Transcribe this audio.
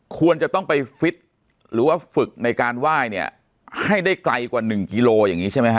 ควรจะต้องไปฟิตหรือว่าฝึกในการไหว้เนี่ยให้ได้ไกลกว่า๑กิโลอย่างนี้ใช่ไหมฮ